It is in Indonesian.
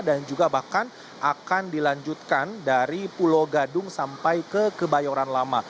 dan juga bahkan akan dilanjutkan dari pulau gadung sampai ke kebayoran lama